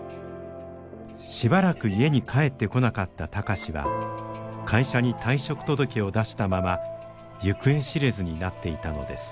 しばらく家に帰ってこなかった貴司は会社に退職届を出したまま行方知れずになっていたのです。